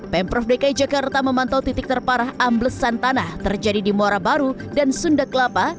pemprov dki jakarta memantau titik terparah amblesan tanah terjadi di muara baru dan sunda kelapa